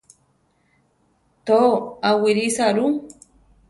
To, awírisa ru.